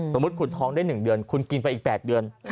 สมมุติคุณท้องได้๑เดือนคุณกินไปอีก๘เดือน